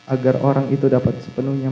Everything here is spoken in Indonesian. agar orang itu dapat sepenuhnya